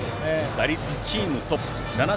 打率チームトップ。